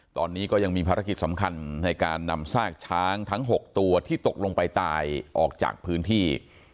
ตอนนี้ก็ยังมีภารกิจสำคัญในการนำซากช้างทั้ง๖ตัวที่ตกลงไปตายออกจากพื้นที่